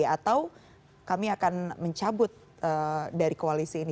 atau kami akan mencabut dari koalisi ini